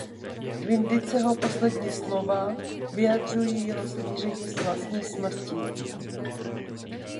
Vindiceho poslední slova vyjadřují jeho smíření s vlastní smrtí.